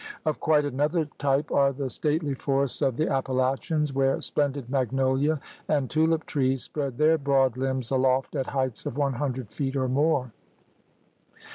Of quite another type are the stately forests of the Appalachians where splendid magnolia and tulip trees spread their broad limbs aloft at heights of one hundred feet or more.